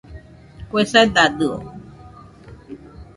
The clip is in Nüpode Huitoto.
Kue sedadio.